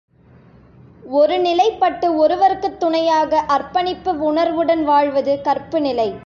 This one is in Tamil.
ஒரு நிலைப்பட்டு ஒருவருக்குத் துணையாக அர்ப்பணிப்பு உணர்வுடன் வாழ்வது கற்புநிலை.